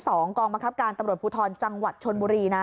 กองบังคับการตำรวจภูทรจังหวัดชนบุรีนะ